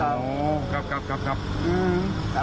โอ้กลับกลับดี